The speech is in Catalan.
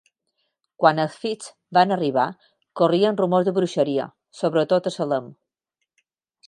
Quan els Phips van arribar, corrien rumors de bruixeria, sobretot a Salem.